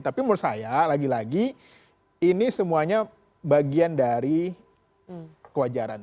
tapi menurut saya lagi lagi ini semuanya bagian dari kewajaran